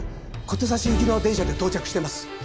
小手指行きの電車で到着してます。